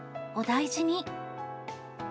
お大事に。